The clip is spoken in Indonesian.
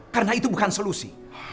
karena itu bukan solusi